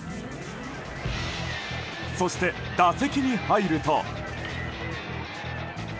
そして、打席に入ると。